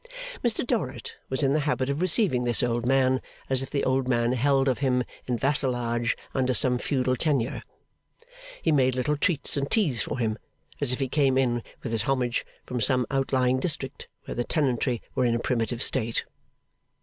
Mr Dorrit was in the habit of receiving this old man as if the old man held of him in vassalage under some feudal tenure. He made little treats and teas for him, as if he came in with his homage from some outlying district where the tenantry were in a primitive state.